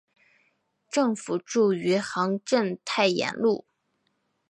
政府驻余杭镇太炎路。